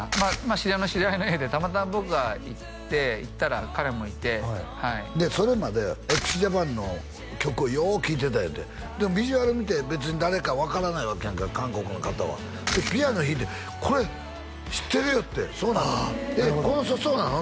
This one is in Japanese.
知り合いの知り合いの家でたまたま僕が行って行ったら彼もいてはいそれまでＸＪＡＰＡＮの曲をよう聴いてたいうてでもビジュアル見て別に誰か分からないわけやんか韓国の方はでピアノ弾いてこれ知ってるよってそうなったってこの人そうなの？